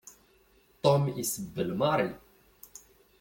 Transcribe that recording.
Tom isebbel Mary.